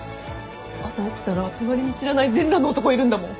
朝起きたら隣に知らない全裸の男いるんだもん。